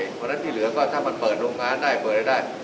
เพราะฉะนั้นที่เหลือก็ถ้ามันเปิดโรงงานได้เปิดอะไรได้